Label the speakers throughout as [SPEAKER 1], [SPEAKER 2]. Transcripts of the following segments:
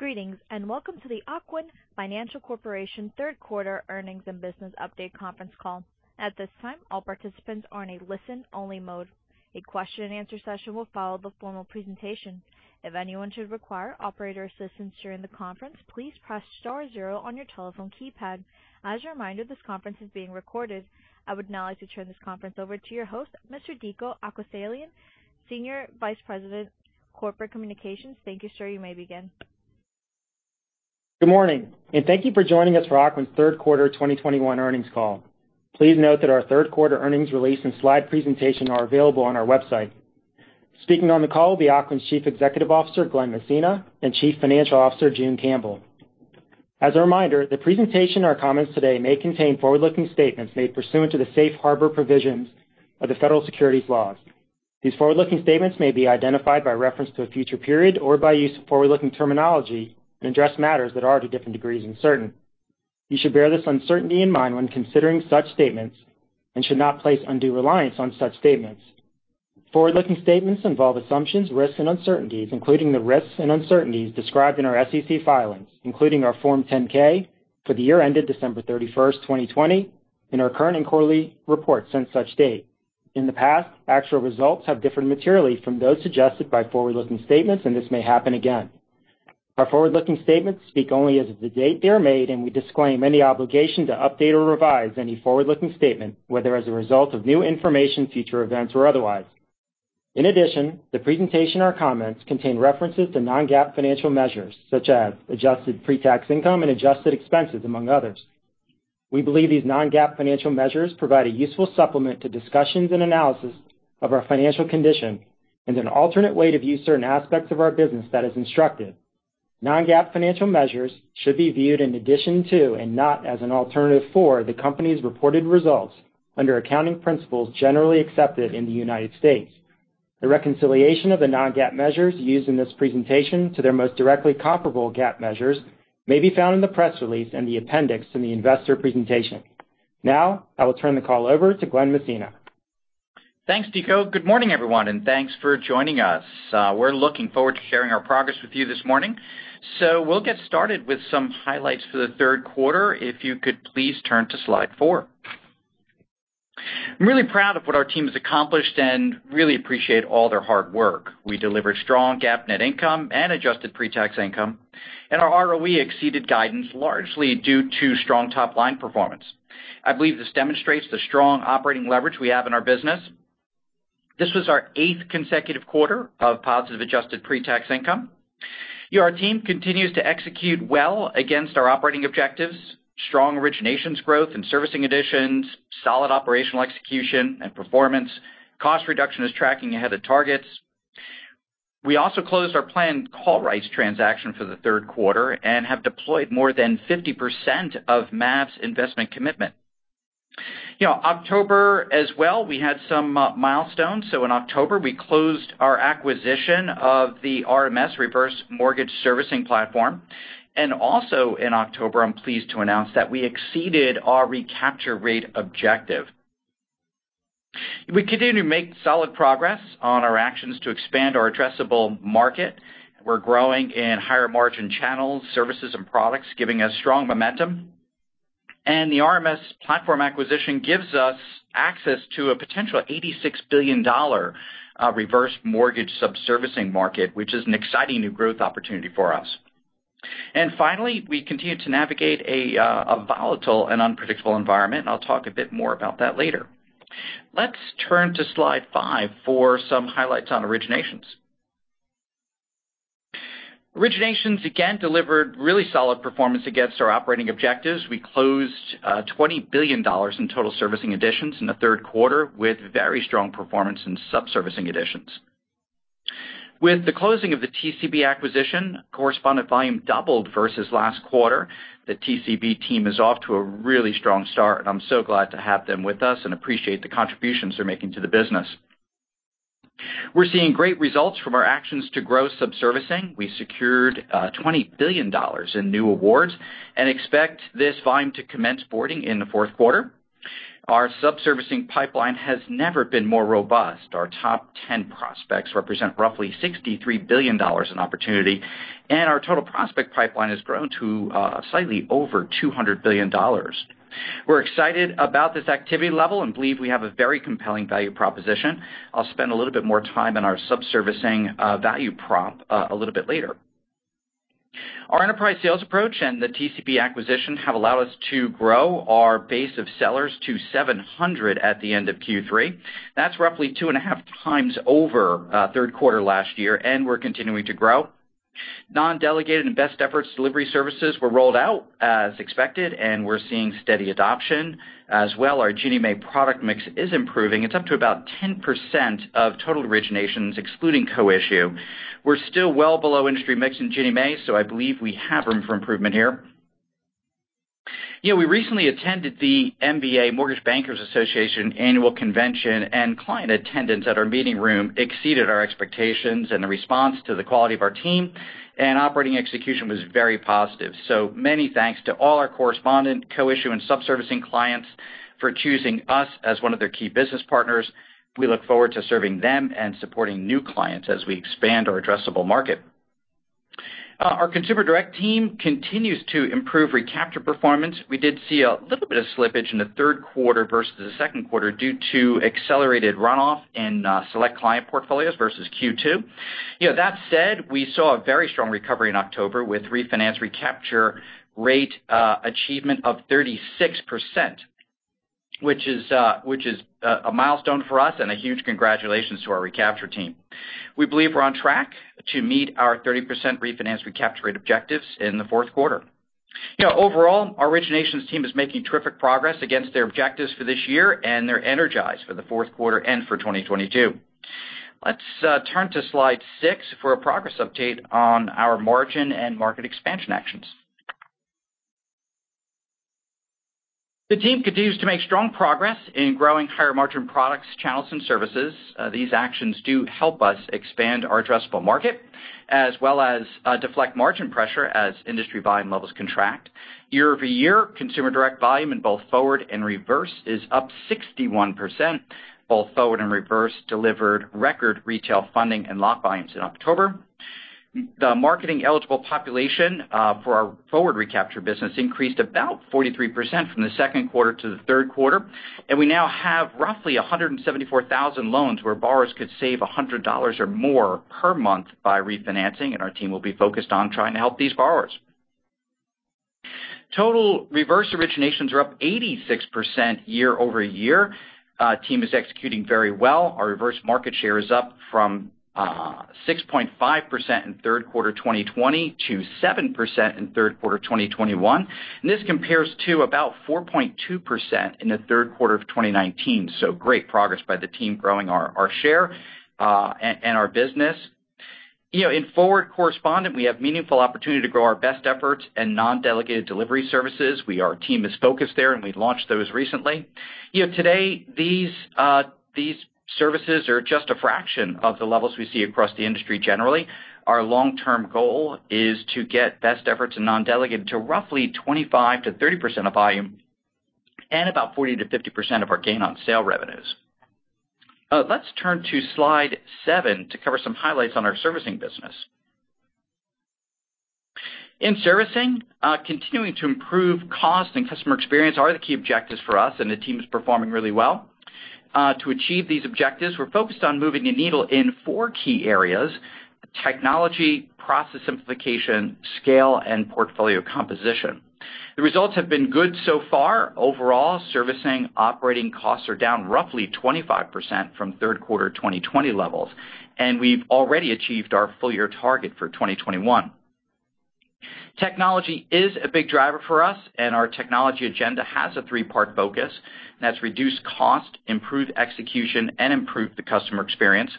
[SPEAKER 1] Greetings, and welcome to the Ocwen Financial Corporation third quarter earnings and business update conference call. At this time, all participants are in a listen-only mode. A question-and-answer session will follow the formal presentation. If anyone should require operator assistance during the conference, please press star zero on your telephone keypad. As a reminder, this conference is being recorded. I would now like to turn this conference over to your host, Mr. Dico Akseraylian, Senior Vice President, Corporate Communications. Thank you, sir. You may begin.
[SPEAKER 2] Good morning, and thank you for joining us for Ocwen's Third Quarter 2021 earnings call. Please note that our third quarter earnings release and slide presentation are available on our website. Speaking on the call will be Ocwen's Chief Executive Officer, Glen Messina, and Chief Financial Officer, June Campbell. As a reminder, the presentation or comments today may contain forward-looking statements made pursuant to the safe harbor provisions of the federal securities laws. These forward-looking statements may be identified by reference to a future period or by use of forward-looking terminology and address matters that are, to different degrees, uncertain. You should bear this uncertainty in mind when considering such statements and should not place undue reliance on such statements. Forward-looking statements involve assumptions, risks, and uncertainties, including the risks and uncertainties described in our SEC filings, including our Form 10-K for the year ended December 31st, 2020, and our current and quarterly reports since such date. In the past, actual results have differed materially from those suggested by forward-looking statements, and this may happen again. Our forward-looking statements speak only as of the date they are made, and we disclaim any obligation to update or revise any forward-looking statement, whether as a result of new information, future events, or otherwise. In addition, the presentation or comments contain references to non-GAAP financial measures such as adjusted pre-tax income and adjusted expenses, among others. We believe these non-GAAP financial measures provide a useful supplement to discussions and analysis of our financial condition and an alternate way to view certain aspects of our business that is instructive. Non-GAAP financial measures should be viewed in addition to, and not as an alternative for, the company's reported results under accounting principles generally accepted in the United States. The reconciliation of the non-GAAP measures used in this presentation to their most directly comparable GAAP measures may be found in the press release and the appendix in the investor presentation. Now, I will turn the call over to Glen Messina.
[SPEAKER 3] Thanks, Dico. Good morning, everyone, and thanks for joining us. We're looking forward to sharing our progress with you this morning, so we'll get started with some highlights for the third quarter, if you could please turn to slide four. I'm really proud of what our team has accomplished and really appreciate all their hard work. We delivered strong GAAP net income and adjusted pre-tax income, and our ROE exceeded guidance largely due to strong top-line performance. I believe this demonstrates the strong operating leverage we have in our business. This was our eighth consecutive quarter of positive adjusted pre-tax income. Our team continues to execute well against our operating objectives. Strong originations growth and servicing additions, solid operational execution and performance. Cost reduction is tracking ahead of targets. We also closed our planned call rights transaction for the third quarter and have deployed more than 50% of MAV's investment commitment. You know, October as well, we had some milestones. In October, we closed our acquisition of the RMS reverse mortgage servicing platform. Also in October, I'm pleased to announce that we exceeded our recapture rate objective. We continue to make solid progress on our actions to expand our addressable market. We're growing in higher-margin channels, services, and products, giving us strong momentum. The RMS platform acquisition gives us access to a potential $86 billion reverse mortgage subservicing market, which is an exciting new growth opportunity for us. Finally, we continue to navigate a volatile and unpredictable environment. I'll talk a bit more about that later. Let's turn to slide five for some highlights on originations. Originations again delivered really solid performance against our operating objectives. We closed $20 billion in total servicing additions in the third quarter with very strong performance in subservicing additions. With the closing of the TCB acquisition, correspondent volume doubled versus last quarter. The TCB team is off to a really strong start. I'm so glad to have them with us and appreciate the contributions they're making to the business. We're seeing great results from our actions to grow subservicing. We secured $20 billion in new awards and expect this volume to commence boarding in the fourth quarter. Our subservicing pipeline has never been more robust. Our top 10 prospects represent roughly $63 billion in opportunity, and our total prospect pipeline has grown to slightly over $200 billion. We're excited about this activity level and believe we have a very compelling value proposition. I'll spend a little bit more time on our subservicing, value prop, a little bit later. Our enterprise sales approach and the TCB acquisition have allowed us to grow our base of sellers to 700 at the end of Q3. That's roughly 2.5x over third quarter last year, and we're continuing to grow. Non-delegated and best efforts delivery services were rolled out as expected, and we're seeing steady adoption. As well, our Ginnie Mae product mix is improving. It's up to about 10% of total originations, excluding co-issue. We're still well below industry mix in Ginnie Mae, so I believe we have room for improvement here. You know, we recently attended the MBA, Mortgage Bankers Association, annual convention, and client attendance at our meeting room exceeded our expectations, and the response to the quality of our team and operating execution was very positive. Many thanks to all our correspondent, co-issue, and subservicing clients for choosing us as one of their key business partners. We look forward to serving them and supporting new clients as we expand our addressable market. Our consumer direct team continues to improve recapture performance. We did see a little bit of slippage in the third quarter versus the second quarter due to accelerated runoff in select client portfolios versus Q2. You know, that said, we saw a very strong recovery in October with refinance recapture rate achievement of 36%, which is a milestone for us and a huge congratulations to our recapture team. We believe we're on track to meet our 30% refinance recapture rate objectives in the fourth quarter. You know, overall, our originations team is making terrific progress against their objectives for this year, and they're energized for the fourth quarter and for 2022. Let's turn to slide six for a progress update on our margin and market expansion actions. The team continues to make strong progress in growing higher margin products, channels, and services. These actions do help us expand our addressable market as well as deflect margin pressure as industry volume levels contract. Year-over-year consumer direct volume in both forward and reverse is up 61%. Both forward and reverse delivered record retail funding and lock volumes in October. The marketing eligible population for our forward recapture business increased about 43% from the second quarter to the third quarter, and we now have roughly 174,000 loans where borrowers could save $100 or more per month by refinancing, and our team will be focused on trying to help these borrowers. Total reverse originations are up 86% year-over-year. Team is executing very well. Our reverse market share is up from 6.5% in third quarter 2020 to 7% in third quarter 2021. This compares to about 4.2% in the third quarter of 2019. Great progress by the team growing our share and our business. You know, in forward correspondent, we have meaningful opportunity to grow our best efforts and non-delegated delivery services. Our team is focused there, and we've launched those recently. You know, today, these services are just a fraction of the levels we see across the industry generally. Our long-term goal is to get best efforts and non-delegated to roughly 25%-30% of volume and about 40%-50% of our gain on sale revenues. Let's turn to slide seven to cover some highlights on our servicing business. In servicing, continuing to improve cost and customer experience are the key objectives for us, and the team is performing really well. To achieve these objectives, we're focused on moving the needle in four key areas, technology, process simplification, scale, and portfolio composition. The results have been good so far. Overall, servicing operating costs are down roughly 25% from third quarter 2020 levels, and we've already achieved our full year target for 2021. Technology is a big driver for us, and our technology agenda has a three-part focus, and that's reduce cost, improve execution, and improve the customer experience.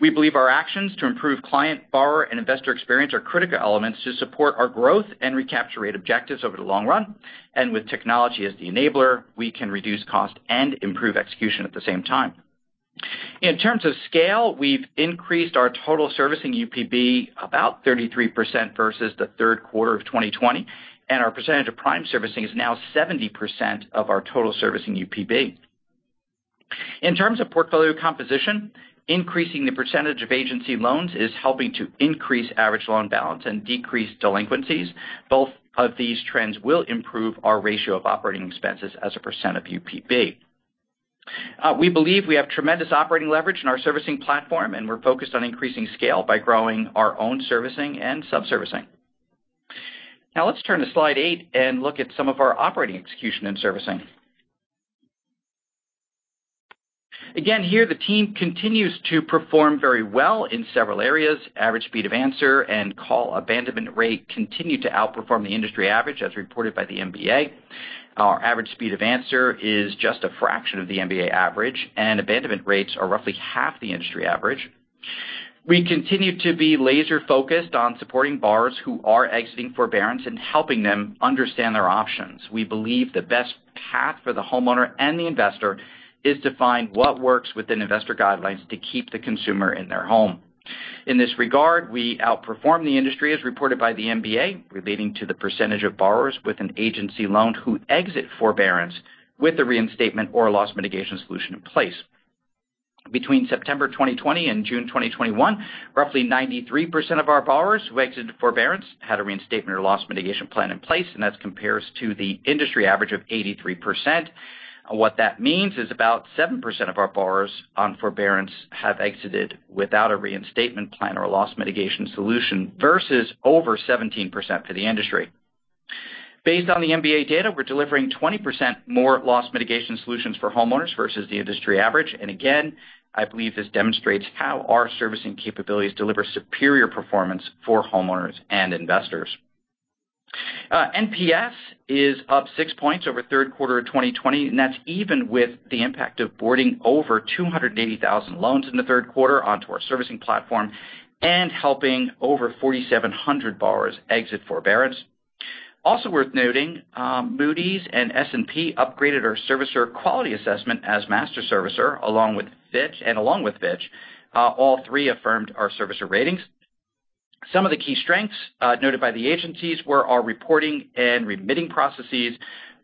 [SPEAKER 3] We believe our actions to improve client, borrower, and investor experience are critical elements to support our growth and recapture rate objectives over the long run. With technology as the enabler, we can reduce cost and improve execution at the same time. In terms of scale, we've increased our total servicing UPB about 33% versus the third quarter of 2020, and our percentage of prime servicing is now 70% of our total servicing UPB. In terms of portfolio composition, increasing the percentage of agency loans is helping to increase average loan balance and decrease delinquencies. Both of these trends will improve our ratio of operating expenses as a % of UPB. We believe we have tremendous operating leverage in our servicing platform, and we're focused on increasing scale by growing our own servicing and sub-servicing. Now let's turn to slide eight and look at some of our operating execution and servicing. Again, here, the team continues to perform very well in several areas. Average speed of answer and call abandonment rate continue to outperform the industry average, as reported by the MBA. Our average speed of answer is just a fraction of the MBA average, and abandonment rates are roughly half the industry average. We continue to be laser-focused on supporting borrowers who are exiting forbearance and helping them understand their options. We believe the best path for the homeowner and the investor is to find what works within investor guidelines to keep the consumer in their home. In this regard, we outperform the industry, as reported by the MBA, relating to the percentage of borrowers with an agency loan who exit forbearance with a reinstatement or loss mitigation solution in place. Between September 2020 and June 2021, roughly 93% of our borrowers who exited forbearance had a reinstatement or loss mitigation plan in place, and that compares to the industry average of 83%. What that means is about 7% of our borrowers on forbearance have exited without a reinstatement plan or a loss mitigation solution versus over 17% for the industry. Based on the MBA data, we're delivering 20% more loss mitigation solutions for homeowners versus the industry average, and again, I believe this demonstrates how our servicing capabilities deliver superior performance for homeowners and investors. NPS is up 6 points over third quarter of 2020, and that's even with the impact of boarding over 280,000 loans in the third quarter onto our servicing platform and helping over 4,700 borrowers exit forbearance. Also worth noting, Moody's and S&P upgraded our servicer quality assessment as master servicer, along with Fitch, all three affirmed our servicer ratings. Some of the key strengths noted by the agencies were our reporting and remitting processes,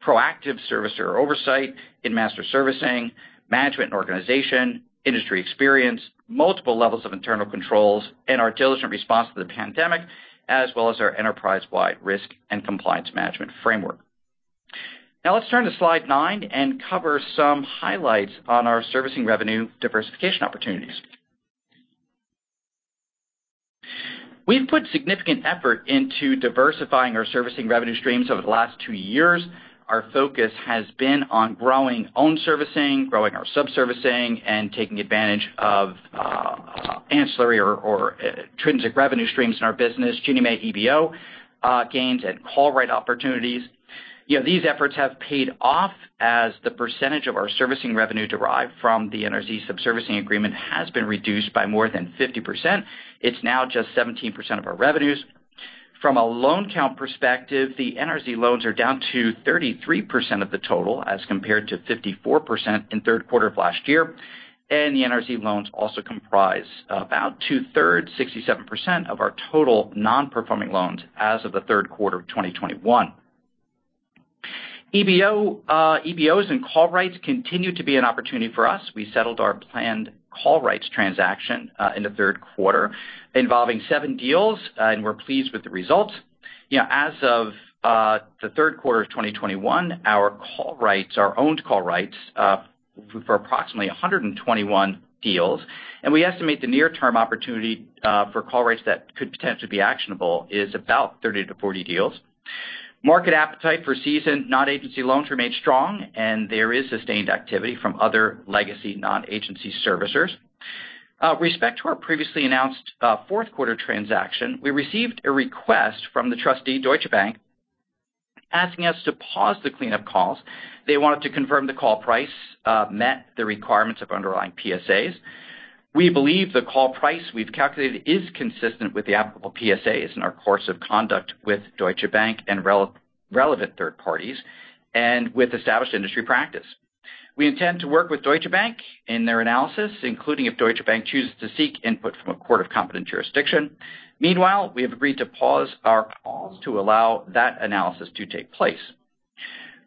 [SPEAKER 3] proactive servicer oversight in master servicing, management and organization, industry experience, multiple levels of internal controls, and our diligent response to the pandemic, as well as our enterprise-wide risk and compliance management framework. Now let's turn to slide nine and cover some highlights on our servicing revenue diversification opportunities. We've put significant effort into diversifying our servicing revenue streams over the last two years. Our focus has been on growing own servicing, growing our subservicing, and taking advantage of ancillary or intrinsic revenue streams in our business, Ginnie Mae EBO gains and call rights opportunities. You know, these efforts have paid off as the percentage of our servicing revenue derived from the NRZ subservicing agreement has been reduced by more than 50%. It's now just 17% of our revenues. From a loan count perspective, the NRZ loans are down to 33% of the total, as compared to 54% in third quarter of last year. The NRZ loans also comprise about two-thirds, 67% of our total non-performing loans as of the third quarter of 2021. EBOs and call rights continue to be an opportunity for us. We settled our planned call rights transaction in the third quarter involving seven deals, and we're pleased with the results. You know, as of the third quarter of 2021, our call rights, our owned call rights, for approximately 121 deals. We estimate the near-term opportunity for call rights that could potentially be actionable is about 30-40 deals. Market appetite for seasoned not agency loans remained strong, and there is sustained activity from other legacy non-agency servicers. With respect to our previously announced fourth quarter transaction, we received a request from the trustee, Deutsche Bank, asking us to pause the cleanup calls. They wanted to confirm the call price met the requirements of underlying PSAs. We believe the call price we've calculated is consistent with the applicable PSAs in our course of conduct with Deutsche Bank and relevant third parties and with established industry practice. We intend to work with Deutsche Bank in their analysis, including if Deutsche Bank chooses to seek input from a court of competent jurisdiction. Meanwhile, we have agreed to pause our calls to allow that analysis to take place.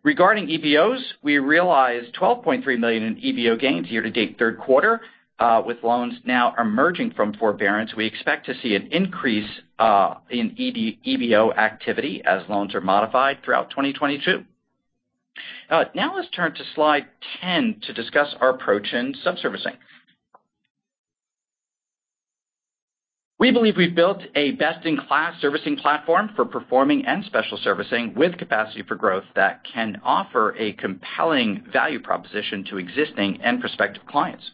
[SPEAKER 3] Regarding EBOs, we realize $12.3 million in EBO gains year to date third quarter. With loans now emerging from forbearance, we expect to see an increase in EBO activity as loans are modified throughout 2022. Now let's turn to slide 10 to discuss our approach in subservicing. We believe we've built a best-in-class servicing platform for performing and special servicing with capacity for growth that can offer a compelling value proposition to existing and prospective clients.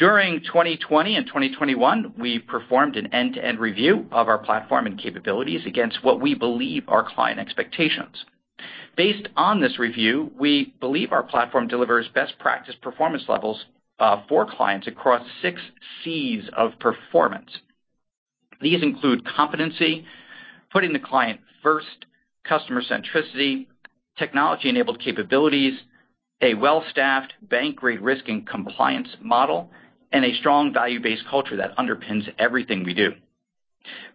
[SPEAKER 3] During 2020 and 2021, we performed an end-to-end review of our platform and capabilities against what we believe are client expectations. Based on this review, we believe our platform delivers best practice performance levels for clients across six C's of performance. These include competency, putting the client first, customer centricity, technology-enabled capabilities, a well-staffed bank-grade risk and compliance model, and a strong value-based culture that underpins everything we do.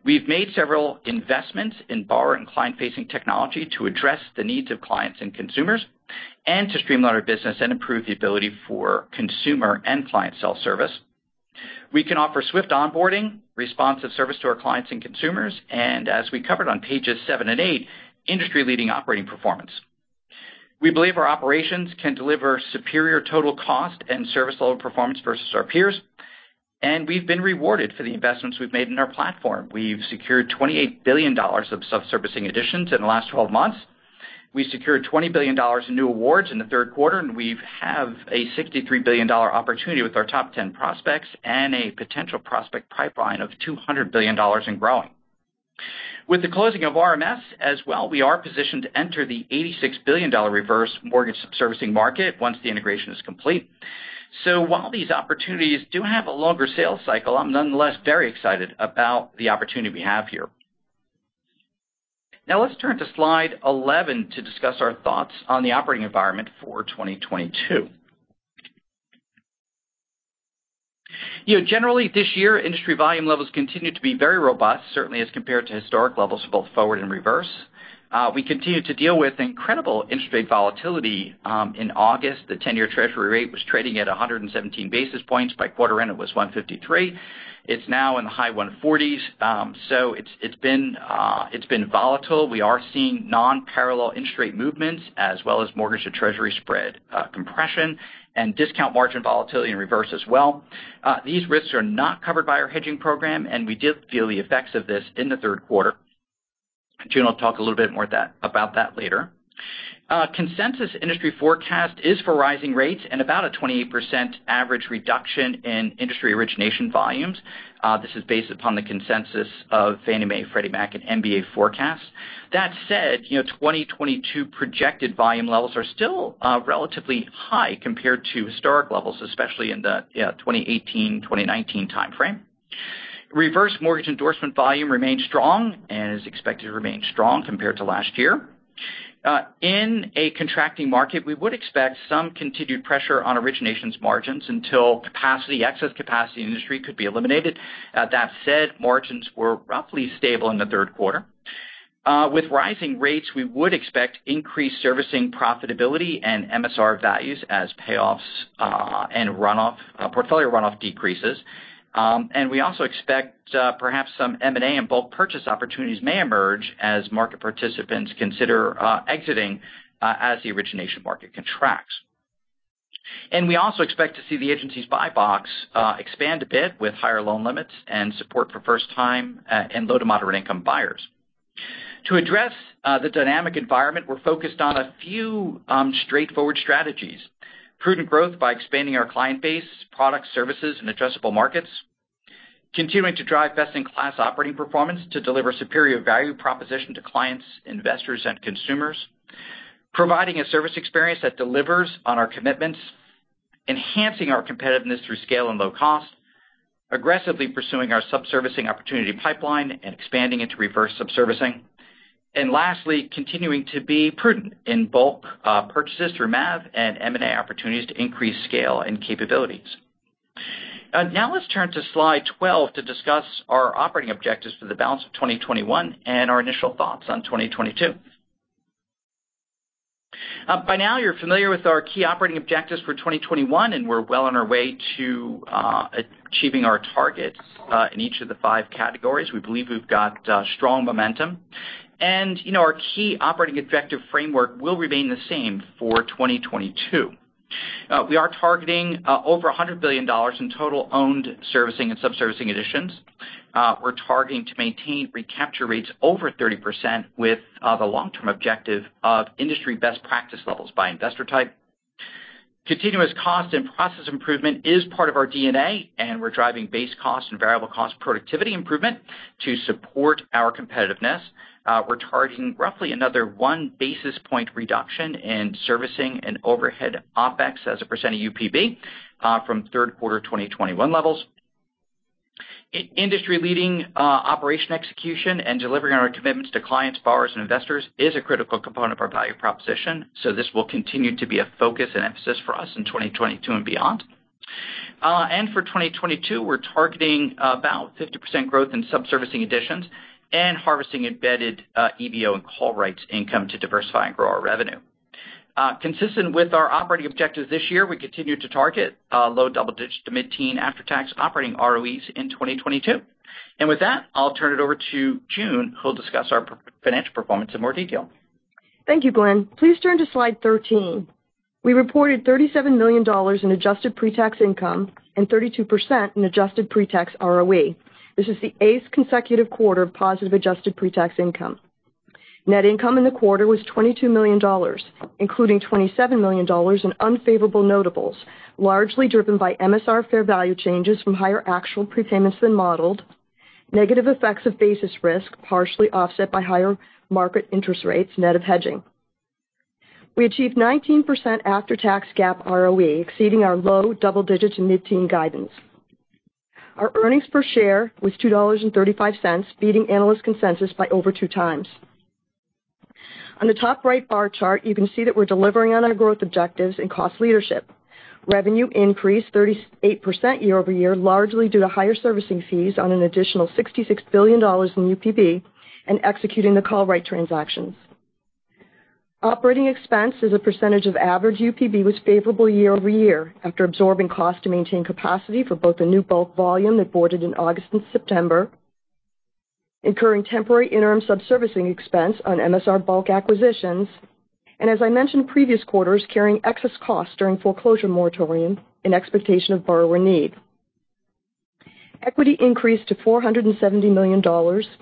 [SPEAKER 3] We've made several investments in borrower and client-facing technology to address the needs of clients and consumers, and to streamline our business and improve the ability for consumer and client self-service. We can offer swift onboarding, responsive service to our clients and consumers, and as we covered on pages seven and eight, industry-leading operating performance. We believe our operations can deliver superior total cost and service level performance versus our peers, and we've been rewarded for the investments we've made in our platform. We've secured $28 billion of subservicing additions in the last 12 months. We secured $20 billion in new awards in the third quarter, and we have a $63 billion opportunity with our top 10 prospects and a potential prospect pipeline of $200 billion and growing. With the closing of RMS as well, we are positioned to enter the $86 billion reverse mortgage subservicing market once the integration is complete. While these opportunities do have a longer sales cycle, I'm nonetheless very excited about the opportunity we have here. Now let's turn to slide 11 to discuss our thoughts on the operating environment for 2022. You know, generally this year, industry volume levels continued to be very robust, certainly as compared to historic levels for both forward and reverse. We continued to deal with incredible interest rate volatility. In August, the 10-year treasury rate was trading at 117 basis points. By quarter end, it was 153. It's now in the high 140s. So, it's been volatile. We are seeing non-parallel interest rate movements as well as mortgage to treasury spread compression and discount margin volatility in reverse as well. These risks are not covered by our hedging program, and we did feel the effects of this in the third quarter. June will talk a little bit more about that later. Consensus industry forecast is for rising rates and about a 28% average reduction in industry origination volumes. This is based upon the consensus of Fannie Mae, Freddie Mac, and MBA forecasts. That said, you know, 2022 projected volume levels are still relatively high compared to historic levels, especially in the 2018, 2019 timeframe. Reverse mortgage endorsement volume remained strong and is expected to remain strong compared to last year. In a contracting market, we would expect some continued pressure on originations margins until excess capacity in the industry could be eliminated. That said, margins were roughly stable in the third quarter. With rising rates, we would expect increased servicing profitability and MSR values as payoffs and portfolio runoff decreases. We also expect perhaps some M&A and bulk purchase opportunities may emerge as market participants consider exiting as the origination market contracts. We also expect to see the agency's buy box expand a bit with higher loan limits and support for first time and low to moderate income buyers. To address the dynamic environment, we're focused on a few straightforward strategies. Prudent growth by expanding our client base, product services, and addressable markets. Continuing to drive best-in-class operating performance to deliver superior value proposition to clients, investors, and consumers. Providing a service experience that delivers on our commitments. Enhancing our competitiveness through scale and low cost. Aggressively pursuing our sub-servicing opportunity pipeline and expanding into reverse sub-servicing. Lastly, continuing to be prudent in bulk purchases through MAV and M&A opportunities to increase scale and capabilities. Now let's turn to slide 12 to discuss our operating objectives for the balance of 2021 and our initial thoughts on 2022. By now you're familiar with our key operating objectives for 2021, and we're well on our way to achieving our targets in each of the five categories. We believe we've got strong momentum. You know, our key operating objective framework will remain the same for 2022. We are targeting over $100 billion in total owned servicing and sub-servicing additions. We're targeting to maintain recapture rates over 30% with the long-term objective of industry best practice levels by investor type. Continuous cost and process improvement is part of our DNA, and we're driving base cost and variable cost productivity improvement to support our competitiveness. We're targeting roughly another 1 basis point reduction in servicing and overhead OpEx as a percent of UPB from third quarter 2021 levels. Industry-leading operation execution and delivering on our commitments to clients, borrowers, and investors is a critical component of our value proposition, so this will continue to be a focus and emphasis for us in 2022 and beyond. For 2022, we're targeting about 50% growth in sub-servicing additions and harvesting embedded EBO and call rights income to diversify and grow our revenue. Consistent with our operating objectives this year, we continue to target low double-digit to mid-teen after-tax operating ROEs in 2022. With that, I'll turn it over to June, who will discuss our financial performance in more detail.
[SPEAKER 4] Thank you, Glen. Please turn to slide 13. We reported $37 million in adjusted pre-tax income and 32% in adjusted pre-tax ROE. This is the eighth consecutive quarter of positive adjusted pre-tax income. Net income in the quarter was $22 million, including $27 million in unfavorable notables, largely driven by MSR fair value changes from higher actual prepayments than modeled, negative effects of basis risk, partially offset by higher market interest rates net of hedging. We achieved 19% after-tax GAAP ROE, exceeding our low double-digit to mid-teen guidance. Our earnings per share was $2.35, beating analyst consensus by over 2x. On the top right bar chart, you can see that we're delivering on our growth objectives and cost leadership. Revenue increased 38% year-over-year, largely due to higher servicing fees on an additional $66 billion in UPB and executing the call rights transactions. Operating expense as a percentage of average UPB was favorable year-over-year after absorbing cost to maintain capacity for both the new bulk volume onboarded in August and September, incurring temporary interim sub-servicing expense on MSR bulk acquisitions, and as I mentioned in previous quarters, carrying excess costs during foreclosure moratorium in expectation of borrower need. Equity increased to $470 million,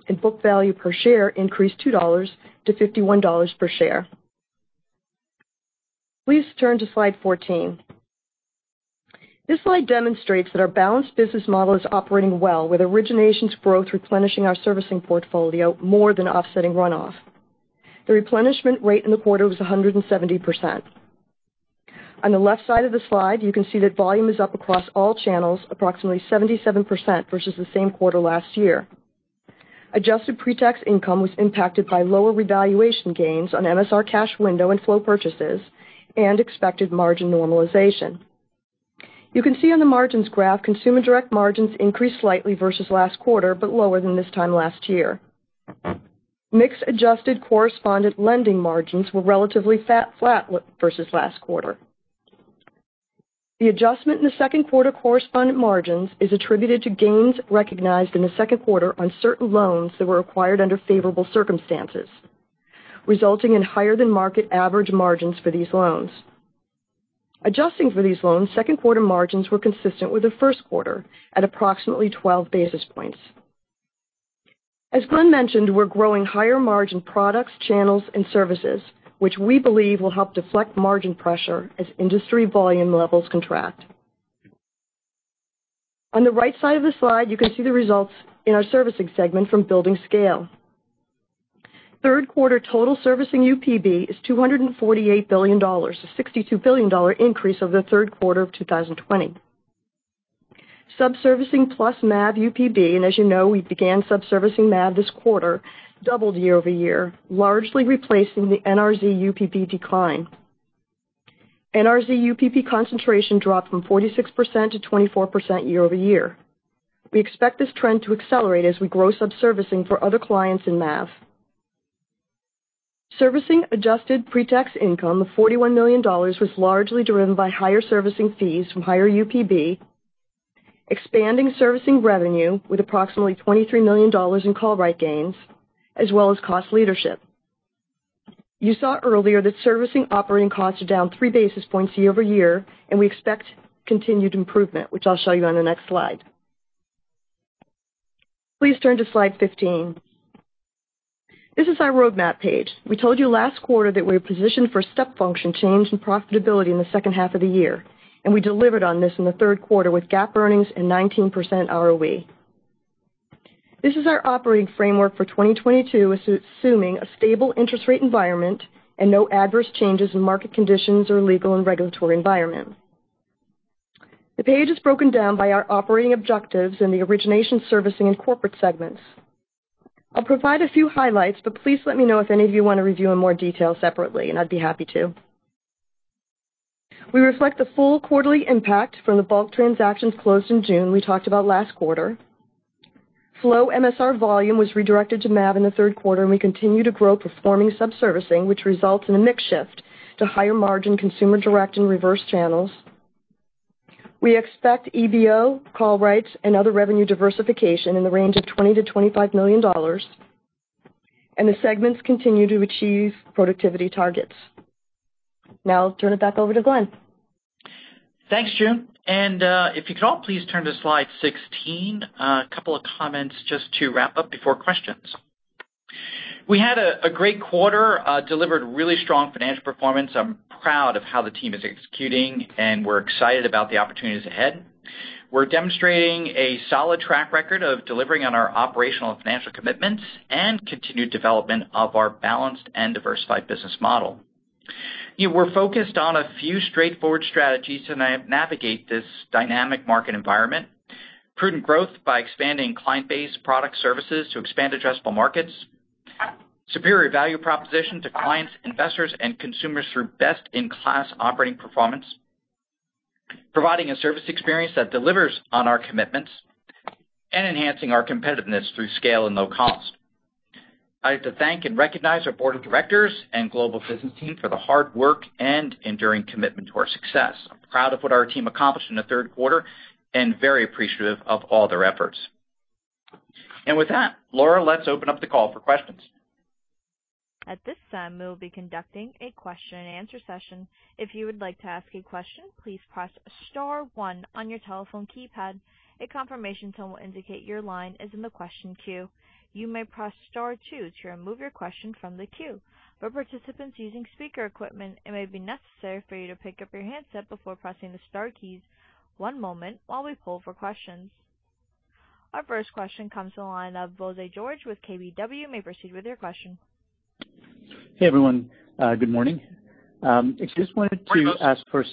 [SPEAKER 4] and book value per share increased $2 to $51 per share. Please turn to slide 14. This slide demonstrates that our balanced business model is operating well, with originations growth replenishing our servicing portfolio more than offsetting runoff. The replenishment rate in the quarter was 170%. On the left side of the slide, you can see that volume is up across all channels, approximately 77% versus the same quarter last year. Adjusted pre-tax income was impacted by lower revaluation gains on MSR cash window and flow purchases and expected margin normalization. You can see on the margins graph, consumer direct margins increased slightly versus last quarter, but lower than this time last year. Our adjusted correspondent lending margins were relatively flat versus last quarter. The adjustment in the second quarter correspondent margins is attributed to gains recognized in the second quarter on certain loans that were acquired under favorable circumstances, resulting in higher than market average margins for these loans. Adjusting for these loans, second quarter margins were consistent with the first quarter at approximately 12 basis points. As Glen mentioned, we're growing higher margin products, channels, and services, which we believe will help deflect margin pressure as industry volume levels contract. On the right side of the slide, you can see the results in our servicing segment from building scale. Third quarter total servicing UPB is $248 billion, a $62 billion increase over the third quarter of 2020. Sub-servicing plus MAV UPB, and as you know, we began sub-servicing MAV this quarter, doubled year-over-year, largely replacing the NRZ UPB decline. NRZ UPB concentration dropped from 46% to 24% year-over-year. We expect this trend to accelerate as we grow sub-servicing for other clients in MAV. Servicing adjusted pre-tax income of $41 million was largely driven by higher servicing fees from higher UPB, expanding servicing revenue with approximately $23 million in call rate gains, as well as cost leadership. You saw earlier that servicing operating costs are down 3 basis points year-over-year, and we expect continued improvement, which I'll show you on the next slide. Please turn to slide 15. This is our roadmap page. We told you last quarter that we're positioned for step function change in profitability in the second half of the year, and we delivered on this in the third quarter with GAAP earnings and 19% ROE. This is our operating framework for 2022, assuming a stable interest rate environment and no adverse changes in market conditions or legal and regulatory environment. The page is broken down by our operating objectives in the origination, servicing, and corporate segments. I'll provide a few highlights, but please let me know if any of you want to review in more detail separately, and I'd be happy to. We reflect the full quarterly impact from the bulk transactions closed in June we talked about last quarter. Slow MSR volume was redirected to MAV in the third quarter, and we continue to grow performing subservicing, which results in a mix shift to higher margin consumer direct and reverse channels. We expect EBO, call rights, and other revenue diversification in the range of $20 million-$25 million, and the segments continue to achieve productivity targets. Now I'll turn it back over to Glen.
[SPEAKER 3] Thanks, June. If you could all please turn to slide 16, a couple of comments just to wrap up before questions. We had a great quarter, delivered really strong financial performance. I'm proud of how the team is executing, and we're excited about the opportunities ahead. We're demonstrating a solid track record of delivering on our operational and financial commitments and continued development of our balanced and diversified business model. We're focused on a few straightforward strategies to navigate this dynamic market environment. Prudent growth by expanding client base, product services to expand adjacent markets, superior value proposition to clients, investors, and consumers through best-in-class operating performance, providing a service experience that delivers on our commitments, and enhancing our competitiveness through scale and low cost. I have to thank and recognize our board of directors and global business team for the hard work and enduring commitment to our success. I'm proud of what our team accomplished in the third quarter and very appreciative of all their efforts. With that, Laura, let's open up the call for questions.
[SPEAKER 1] At this time, we will be conducting a question and answer session. If you would like to ask a question, please press star one on your telephone keypad. A confirmation tone will indicate your line is in the question queue. You may press star two to remove your question from the queue. For participants using speaker equipment, it may be necessary for you to pick up your handset before pressing the star keys. One moment while we poll for questions. Our first question comes from the line of Bose George with KBW. You may proceed with your question.
[SPEAKER 5] Hey, everyone. Good morning. Just wanted to ask first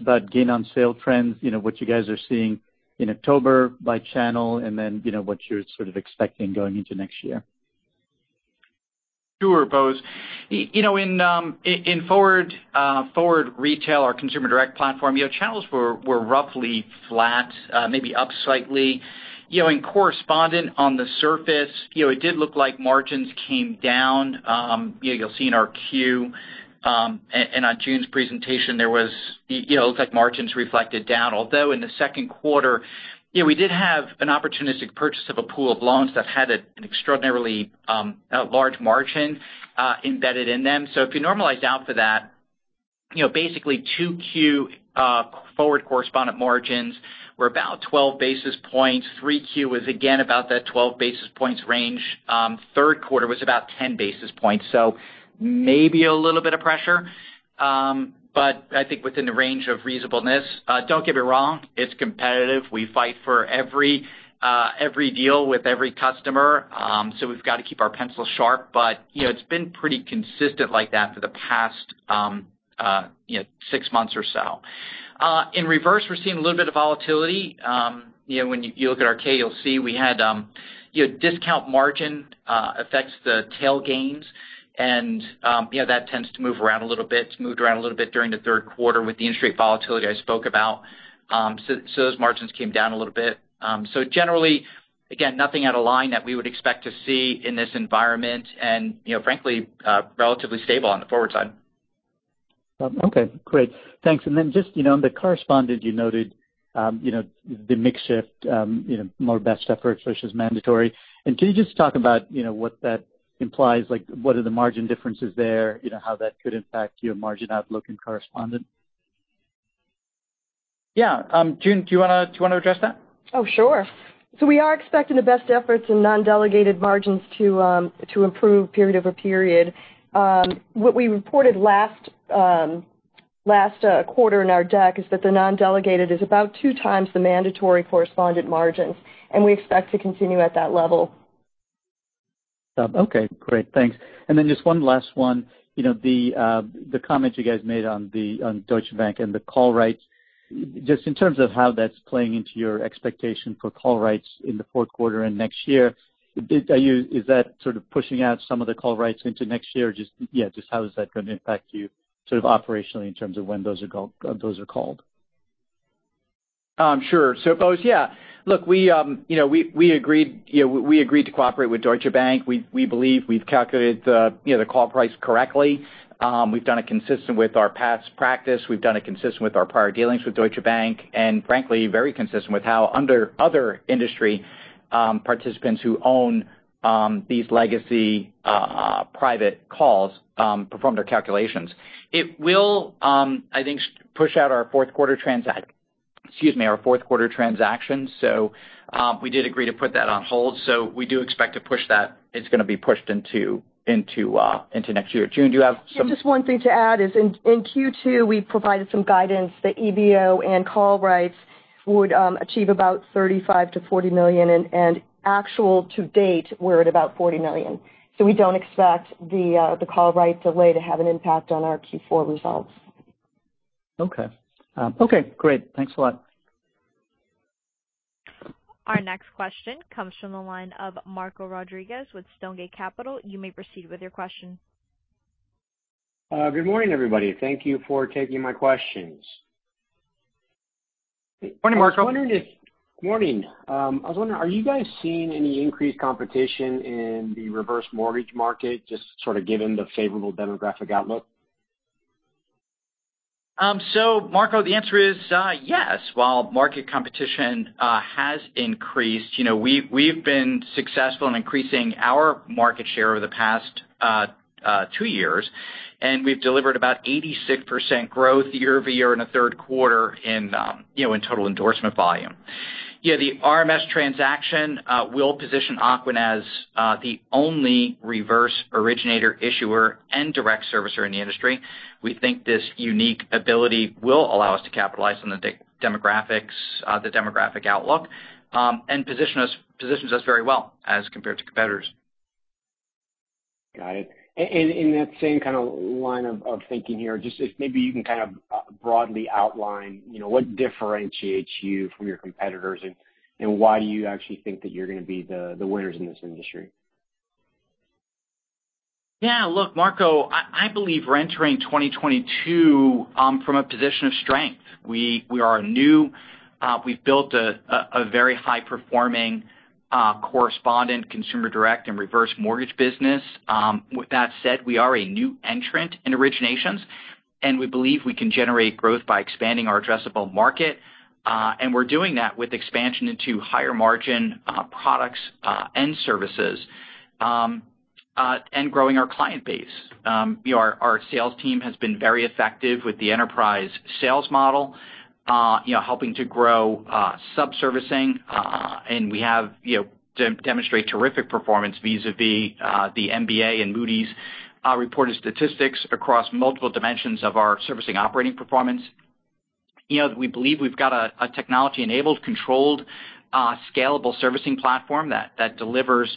[SPEAKER 5] about gain on sale trends, you know, what you guys are seeing in October by channel and then, you know, what you're sort of expecting going into next year.
[SPEAKER 3] Sure, Bose. You know, in forward retail, our consumer direct platform, you know, channels were roughly flat, maybe up slightly. You know, in correspondent on the surface, you know, it did look like margins came down. You know, you'll see in our Q, and on June's presentation, it looks like margins reflected down. Although in the second quarter, you know, we did have an opportunistic purchase of a pool of loans that had an extraordinarily large margin embedded in them. So if you normalize out for that, you know, basically 2Q forward correspondent margins were about 12 basis points. 3Q was again about that 12 basis points range. Third quarter was about 10 basis points, so maybe a little bit of pressure, but I think within the range of reasonableness. Don't get me wrong, it's competitive. We fight for every deal with every customer. So we've got to keep our pencil sharp. You know, it's been pretty consistent like that for the past, you know, six months or so. In reverse, we're seeing a little bit of volatility. You know, when you look at our 10-K, you'll see we had, you know, discount margin affects the tail gains. You know, that tends to move around a little bit. It's moved around a little bit during the third quarter with the industry volatility I spoke about. So those margins came down a little bit. So generally, again, nothing out of line that we would expect to see in this environment and you know, frankly, relatively stable on the forward side.
[SPEAKER 5] Okay, great. Thanks. Just, you know, on the correspondent you noted, you know, the mix shift, you know, more best efforts versus mandatory. Can you just talk about, you know, what that implies? Like what are the margin differences there, you know, how that could impact your margin outlook and correspondent?
[SPEAKER 3] Yeah. June, do you want to address that?
[SPEAKER 4] Oh, sure. We are expecting the best efforts in non-delegated margins to improve period-over-period. What we reported last quarter in our deck is that the non-delegated is about 2x the mandatory correspondent margins, and we expect to continue at that level.
[SPEAKER 5] Okay, great. Thanks. Just one last one. You know, the comment you guys made on Deutsche Bank and the call rights, just in terms of how that's playing into your expectation for call rights in the fourth quarter and next year, is that sort of pushing out some of the call rights into next year? Just, yeah, just how is that going to impact you sort of operationally in terms of when those are called?
[SPEAKER 3] Sure. Bose, yeah, look, you know, we agreed to cooperate with Deutsche Bank. We believe we've calculated the call price correctly. We've done it consistent with our past practice. We've done it consistent with our prior dealings with Deutsche Bank, and frankly, very consistent with how other industry participants who own these legacy private calls perform their calculations. It will, I think, push out our fourth quarter transactions. We did agree to put that on hold. We do expect to push that. It's gonna be pushed into next year. June, do you have some-
[SPEAKER 4] Yeah, just one thing to add is in Q2, we provided some guidance that EBO and call rights would achieve about $35 million-$40 million. Actual to date, we're at about $40 million. We don't expect the call rights delay to have an impact on our Q4 results.
[SPEAKER 5] Okay. Okay, great. Thanks a lot.
[SPEAKER 1] Our next question comes from the line of Marco Rodriguez with Stonegate Capital. You may proceed with your question.
[SPEAKER 6] Good morning, everybody. Thank you for taking my questions.
[SPEAKER 3] Morning, Marco.
[SPEAKER 6] I was wondering, are you guys seeing any increased competition in the reverse mortgage market, just sort of given the favorable demographic outlook?
[SPEAKER 3] Marco, the answer is, yes. While market competition has increased, you know, we've been successful in increasing our market share over the past two years, and we've delivered about 86% growth year-over-year in the third quarter in total endorsement volume. Yeah, the RMS transaction will position Ocwen as the only reverse originator, issuer, and direct servicer in the industry. We think this unique ability will allow us to capitalize on the demographics, the demographic outlook, and positions us very well as compared to competitors.
[SPEAKER 6] Got it. In that same kind of line of thinking here, just if maybe you can kind of broadly outline, you know, what differentiates you from your competitors and why you actually think that you're gonna be the winners in this industry.
[SPEAKER 3] Yeah. Look, Marco, I believe we're entering 2022 from a position of strength. We are a new, we've built a very high performing correspondent, consumer direct and reverse mortgage business. With that said, we are a new entrant in originations, and we believe we can generate growth by expanding our addressable market. We're doing that with expansion into higher margin products and services and growing our client base. You know, our sales team has been very effective with the enterprise sales model, you know, helping to grow subservicing. We have demonstrated terrific performance vis-à-vis the MBA and Moody's reported statistics across multiple dimensions of our servicing operating performance. You know, we believe we've got a technology-enabled, controlled, scalable servicing platform that delivers,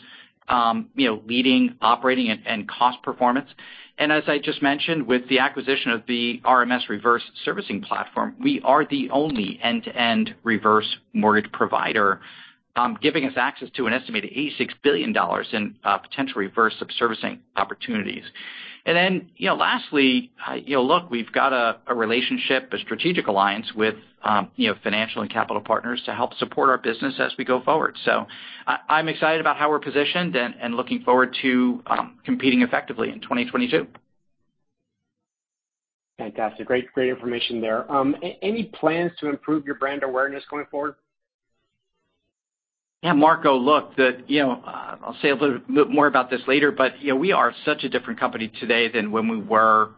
[SPEAKER 3] you know, leading operating and cost performance. As I just mentioned, with the acquisition of the RMS reverse servicing platform, we are the only end-to-end reverse mortgage provider, giving us access to an estimated $86 billion in potential reverse subservicing opportunities. You know, lastly, you know, look, we've got a relationship, a strategic alliance with, you know, financial and capital partners to help support our business as we go forward. I'm excited about how we're positioned and looking forward to competing effectively in 2022.
[SPEAKER 6] Fantastic. Great information there. Any plans to improve your brand awareness going forward?
[SPEAKER 3] Yeah, Marco, look, you know, I'll say a little bit more about this later, but, you know, we are such a different company today than when we were,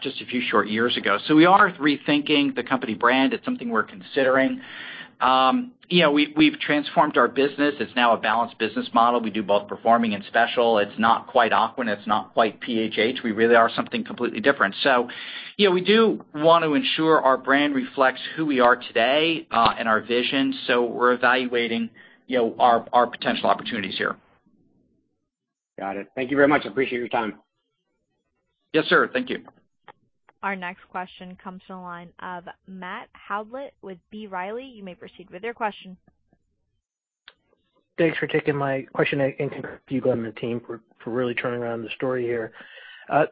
[SPEAKER 3] just a few short years ago. We are rethinking the company brand. It's something we're considering. You know, we've transformed our business. It's now a balanced business model. We do both performing and special. It's not quite Ocwen, it's not quite PHH. We really are something completely different. You know, we do want to ensure our brand reflects who we are today, and our vision. We're evaluating, you know, our potential opportunities here.
[SPEAKER 6] Got it. Thank you very much. Appreciate your time.
[SPEAKER 3] Yes, sir. Thank you.
[SPEAKER 1] Our next question comes from the line of Matt Howlett with B. Riley. You may proceed with your question.
[SPEAKER 7] Thanks for taking my question. Thank you to you, Glen, and the team for really turning around the story here.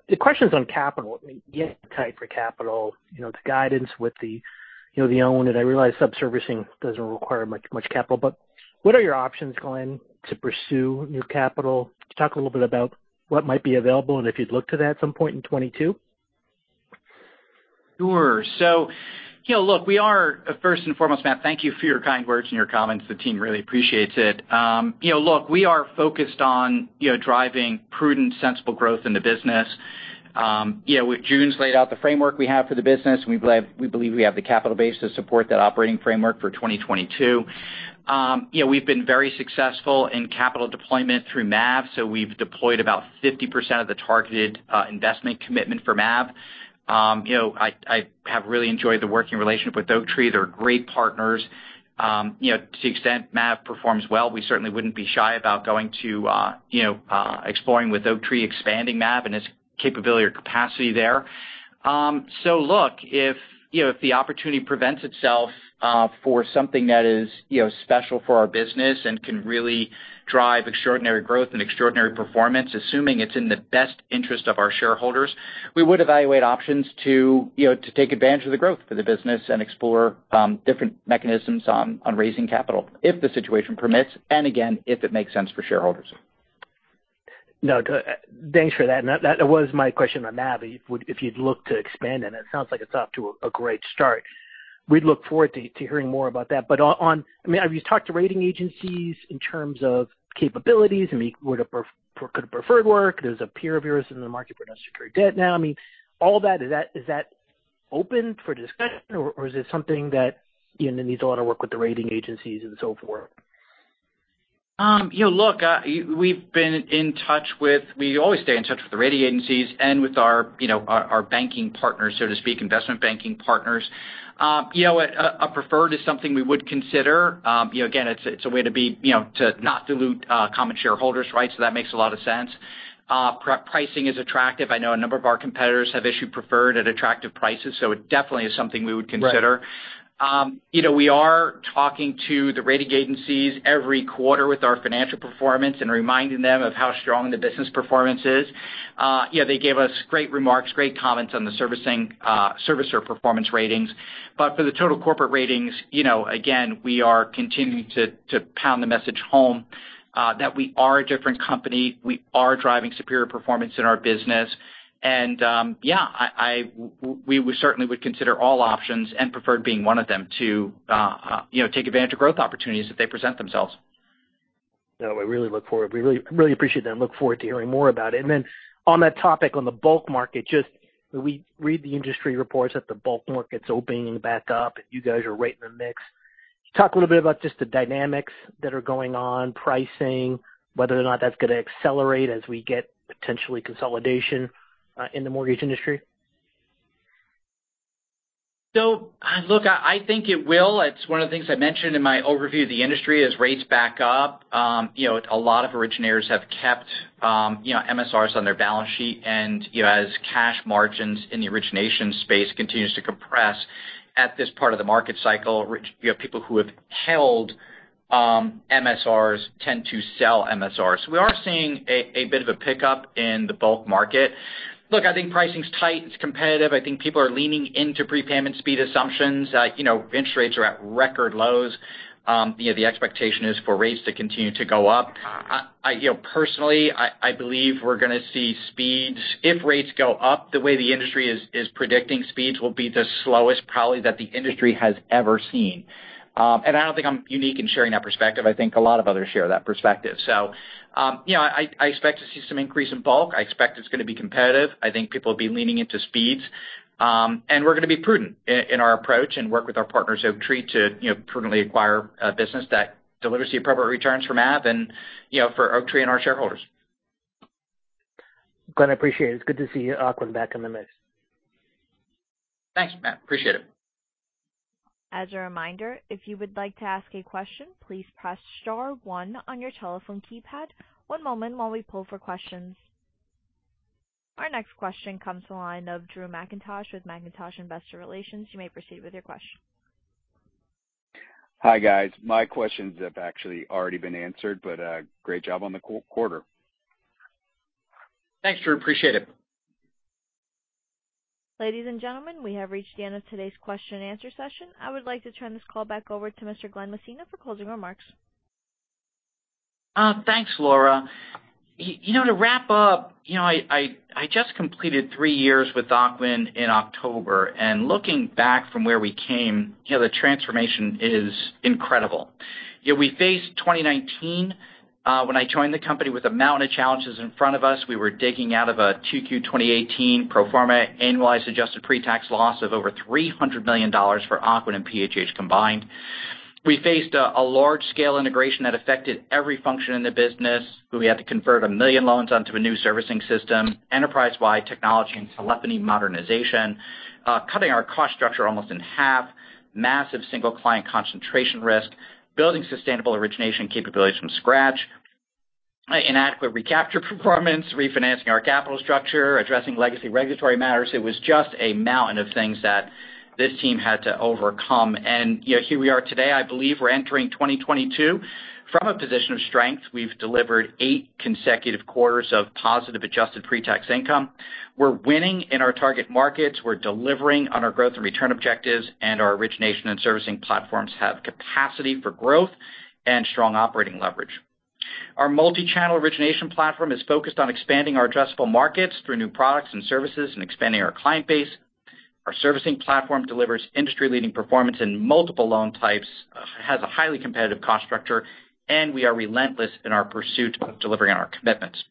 [SPEAKER 7] The question's on capital. You know, you guys tight for capital. You know, it's guidance with the, you know, the OCN. I realize subservicing doesn't require much capital, but what are your options to pursue new capital? Can you talk a little bit about what might be available and if you'd look to that at some point in 2022?
[SPEAKER 3] Sure. You know, look, we are first and foremost, Matt, thank you for your kind words and your comments. The team really appreciates it. You know, look, we are focused on, you know, driving prudent, sensible growth in the business. You know, June's laid out the framework we have for the business, and we believe we have the capital base to support that operating framework for 2022. You know, we've been very successful in capital deployment through MAV. We've deployed about 50% of the targeted investment commitment for MAV. You know, I have really enjoyed the working relationship with Oaktree. They're great partners. You know, to the extent MAV performs well, we certainly wouldn't be shy about going to, you know, exploring with Oaktree expanding MAV and its capability or capacity there. Look, if you know, if the opportunity presents itself, for something that is, you know, special for our business and can really drive extraordinary growth and extraordinary performance, assuming it's in the best interest of our shareholders, we would evaluate options to, you know, to take advantage of the growth for the business and explore different mechanisms on raising capital if the situation permits, and again, if it makes sense for shareholders.
[SPEAKER 7] No, thanks for that. That was my question on MAV. If you'd look to expand, and it sounds like it's off to a great start. We'd look forward to hearing more about that. But on—I mean, have you talked to rating agencies in terms of capabilities? I mean, would a preferred work? There's a peer of yours in the market producing trade debt now. I mean, all that, is that open for discussion, or is it something that, you know, needs a lot of work with the rating agencies and so forth?
[SPEAKER 3] You know, look, we always stay in touch with the rating agencies and with our, you know, our banking partners, so to speak, investment banking partners. You know what? A preferred is something we would consider. You know, again, it's a way to, you know, not dilute common shareholders, right? That makes a lot of sense. Pricing is attractive. I know a number of our competitors have issued preferred at attractive prices, so it definitely is something we would consider.
[SPEAKER 7] Right.
[SPEAKER 3] You know, we are talking to the rating agencies every quarter with our financial performance and reminding them of how strong the business performance is. You know, they gave us great remarks, great comments on the servicing servicer performance ratings. But for the total corporate ratings, you know, again, we are continuing to pound the message home that we are a different company. We are driving superior performance in our business. Yeah, we would certainly consider all options, and preferred being one of them, to take advantage of growth opportunities if they present themselves.
[SPEAKER 7] No, we really look forward. We really, really appreciate that and look forward to hearing more about it. On that topic, on the bulk market, just we read the industry reports that the bulk market's opening back up. You guys are right in the mix. Talk a little bit about just the dynamics that are going on, pricing, whether or not that's gonna accelerate as we get potentially consolidation in the mortgage industry.
[SPEAKER 3] Look, I think it will. It's one of the things I mentioned in my overview of the industry. As rates back up, a lot of originators have kept MSRs on their balance sheet. As cash margins in the origination space continues to compress at this part of the market cycle, people who have held MSRs tend to sell MSRs. We are seeing a bit of a pickup in the bulk market. Look, I think pricing's tight, it's competitive. I think people are leaning into prepayment speed assumptions. Interest rates are at record lows. The expectation is for rates to continue to go up. Personally, I believe we're gonna see speeds. If rates go up the way the industry is predicting, speeds will be the slowest probably that the industry has ever seen. I don't think I'm unique in sharing that perspective. I think a lot of others share that perspective. I expect to see some increase in bulk. I expect it's gonna be competitive. I think people will be leaning into speeds. We're gonna be prudent in our approach and work with our partners, Oaktree, to prudently acquire business that delivers the appropriate returns from MAV and for Oaktree and our shareholders.
[SPEAKER 7] Glen, I appreciate it. It's good to see Ocwen back in the mix.
[SPEAKER 3] Thanks, Matt. I appreciate it.
[SPEAKER 1] As a reminder, if you would like to ask a question, please press star one on your telephone keypad. One moment while we pull for questions. Our next question comes to the line of Drew Mackintosh with Mackintosh Investor Relations. You may proceed with your question.
[SPEAKER 8] Hi, guys. My questions have actually already been answered, but great job on the quarter. Thanks, Drew. Appreciate it.
[SPEAKER 1] Ladies and gentlemen, we have reached the end of today's question and answer session. I would like to turn this call back over to Mr. Glen Messina for closing remarks.
[SPEAKER 3] Thanks, Laura. You know, to wrap up, you know, I just completed three years with Ocwen in October, and looking back from where we came, you know, the transformation is incredible. You know, we faced 2019, when I joined the company, with a mountain of challenges in front of us. We were digging out of a 2Q 2018 pro forma annualized adjusted pre-tax loss of over $300 million for Ocwen and PHH combined. We faced a large-scale integration that affected every function in the business. We had to convert 1 million loans onto a new servicing system, enterprise-wide technology and telephony modernization, cutting our cost structure almost in half, massive single client concentration risk, building sustainable origination capabilities from scratch, inadequate recapture performance, refinancing our capital structure, addressing legacy regulatory matters. It was just a mountain of things that this team had to overcome. You know, here we are today. I believe we're entering 2022 from a position of strength. We've delivered eight consecutive quarters of positive adjusted pre-tax income. We're winning in our target markets. We're delivering on our growth and return objectives, and our origination and servicing platforms have capacity for growth and strong operating leverage. Our multi-channel origination platform is focused on expanding our addressable markets through new products and services and expanding our client base. Our servicing platform delivers industry-leading performance in multiple loan types, has a highly competitive cost structure, and we are relentless in our pursuit of delivering on our commitments.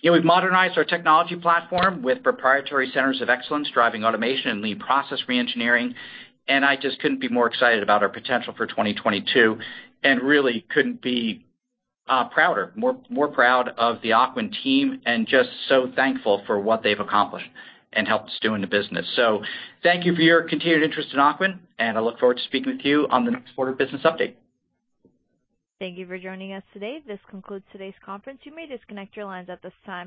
[SPEAKER 3] You know, we've modernized our technology platform with proprietary centers of excellence driving automation and lean process re-engineering, and I just couldn't be more excited about our potential for 2022 and really couldn't be prouder, more proud of the Ocwen team and just so thankful for what they've accomplished and helped us do in the business. Thank you for your continued interest in Ocwen, and I look forward to speaking with you on the next quarter business update.
[SPEAKER 1] Thank you for joining us today. This concludes today's conference. You may disconnect your lines at this time.